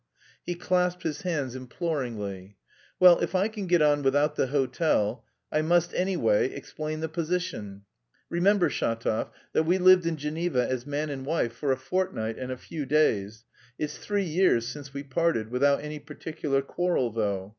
He clasped his hands imploringly.... "Well, if I can get on without the hotel... I must, any way, explain the position. Remember, Shatov, that we lived in Geneva as man and wife for a fortnight and a few days; it's three years since we parted, without any particular quarrel though.